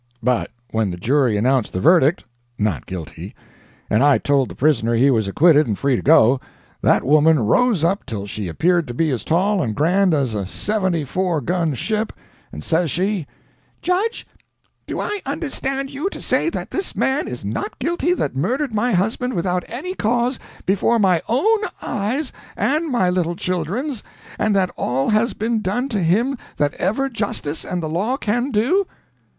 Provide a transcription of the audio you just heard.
But when the jury announced the verdict Not Guilty and I told the prisoner he was acquitted and free to go, that woman rose up till she appeared to be as tall and grand as a seventy four gun ship, and says she: "'Judge, do I understand you to say that this man is not guilty that murdered my husband without any cause before my own eyes and my little children's, and that all has been done to him that ever justice and the law can do?'